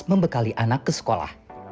membekali anak ke sekolah